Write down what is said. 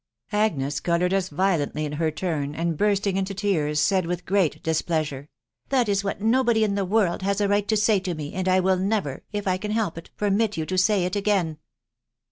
Agnes coloured as violently in her turn, and bursting into tears, said with great displeasure, " That is what nobody in the world has a right to say to me, and I will never, if I em help it, permit you to say it again."